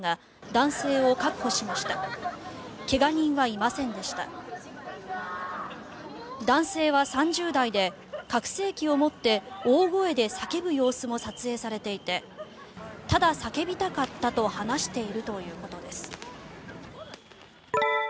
男性は３０代で拡声器を持って大声で叫ぶ様子も撮影されていてただ叫びたかったと話しているということです。